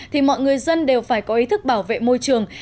thì mọi người dân đều phải có ý thức bảo vệ môi trường